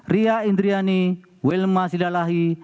ria indriani wilma sidalahi